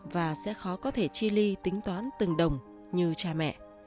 và sẽ khó có thể chi ly tính toán từng đồng như cha mẹ